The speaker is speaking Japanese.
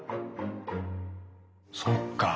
そっか。